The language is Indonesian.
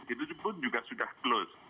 itu pun juga sudah close